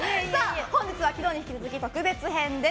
本日は昨日に引き続き特別編です。